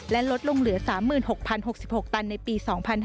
และลดลงเหลือ๓๖๐๖๖ตันในปี๒๕๕๙